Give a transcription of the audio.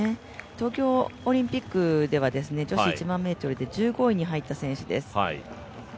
東京オリンピックでは女子１００００ｍで１５位に入った選手です。